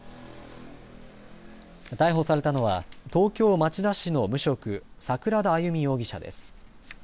逮捕されたのは東京町田市の無職、櫻田歩容疑者です。